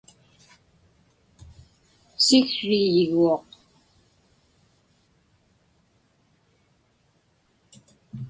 siksriiyguuq